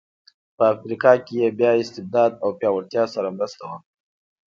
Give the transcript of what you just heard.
په افریقا کې یې بیا استبداد او پیاوړتیا سره مرسته وکړه.